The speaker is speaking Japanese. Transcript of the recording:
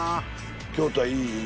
京都はいいいい。